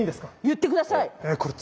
言ってください！